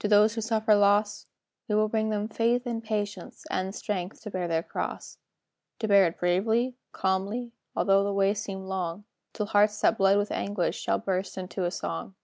To those who suffer loss? "We will bring them faith, and patience, And strength to bear their cross, To bear it bravely, calmly, Although the way seem long, Till hearts that bled with anguish Shall burst into a song.